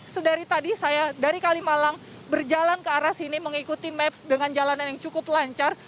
sedari tadi saya dari kalimalang berjalan ke arah sini mengikuti maps dengan jalanan yang cukup lancar